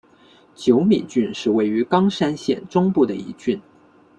久米郡是位于冈山县中部的一郡。